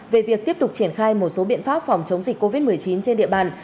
về việc tiếp tục triển khai một số biện pháp phòng chống dịch covid một mươi chín trên địa bàn